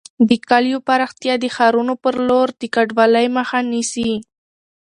د کليو پراختیا د ښارونو پر لور د کډوالۍ مخه نیسي.